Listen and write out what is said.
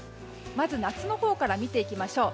まず夏のほうから見ていきましょう。